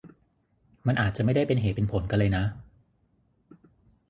มันอาจจะไม่ได้เป็นเหตุเป็นผลกันเลยนะ